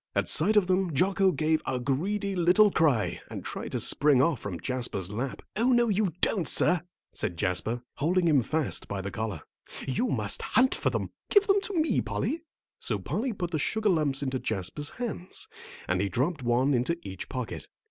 At sight of them Jocko gave a greedy little cry and tried to spring off from Jasper's lap. "Oh, no you don't, sir," said Jasper, holding him fast by the collar; "you must hunt for them. Give them to me, Polly." So Polly put the sugar lumps into Jasper's hands, and he dropped one into each pocket.